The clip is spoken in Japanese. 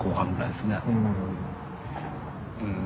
うん。